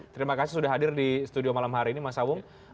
terima kasih sudah hadir di studio malam hari ini mas sawung